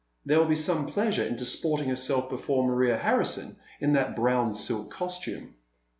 There will be some pleasure in disporting herself be fore Maria Hanison in that brown silk costume.